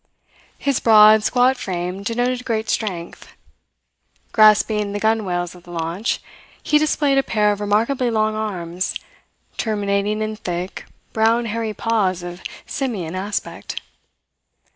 His broad, squat frame denoted great strength. Grasping the gunwales of the launch, he displayed a pair of remarkably long arms, terminating in thick, brown hairy paws of simian aspect.